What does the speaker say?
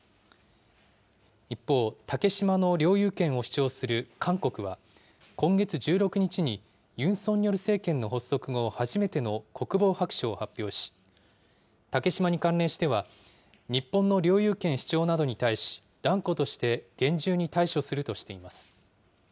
一方、竹島の領有権を主張する韓国は、今月１６日にユン・ソンニョル政権の発足後、初めての国防白書を発表し、竹島に関連しては、日本の領有権主張などに対し、断固として厳重に対処するとしています。